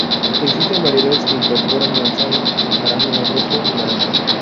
Existen variedades que incorporan manzanas, arándano rojo y naranja.